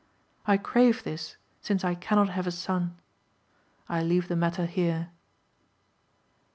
I crave this since I cannot have a son. I leave the matter here.